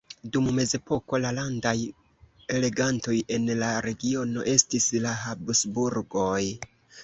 Dum mezepoko la landaj regantoj en la regiono estis la Habsburgoj.